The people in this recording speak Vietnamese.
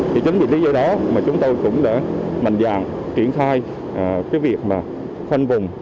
thì chính vì lý do đó mà chúng tôi cũng đã mạnh dạng triển khai cái việc mà khoanh vùng